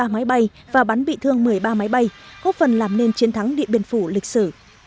máy bay và bắn bị thương một mươi ba máy bay hốt phần làm nên chiến thắng điện biển phủ lịch sử